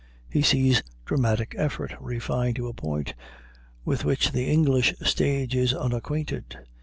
He sees dramatic effort refined to a point with which the English stage is unacquainted.